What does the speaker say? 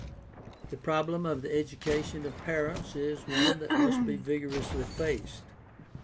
The problem of the education of parents is one that must be vigorously faced.